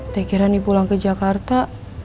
teki rani pulang ke jakarta